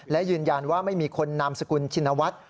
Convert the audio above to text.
และยืนยันว่าไม่มีคนนามสกุลชินวัฒน์